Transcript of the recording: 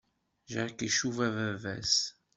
Jack icuba baba-s.